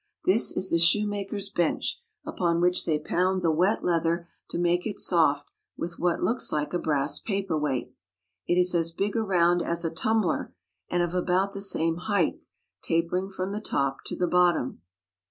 This is the shoemakers' bench, upon which they pound the wet leather to make it soft with what looks like a brass paper weight. It is as big around as a tum bler and of about the same height, tapering from the top to the bottom.